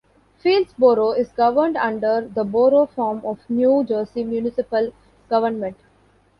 Fieldsboro is governed under the Borough form of New Jersey municipal government.